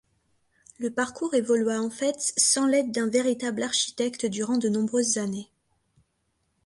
Le parcours évolua en fait sans l’aide d’un véritable architecte durant de nombreuses années.